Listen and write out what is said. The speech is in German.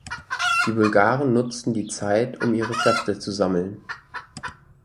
Die Bulgaren nutzten die Zeit, um ihre Kräfte zu sammeln.